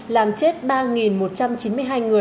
làm chết ba một trăm chín mươi hai người